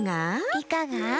いかが？